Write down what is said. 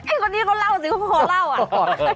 คนนี้เขาเล่าสิเขาขอเล่าอ่ะ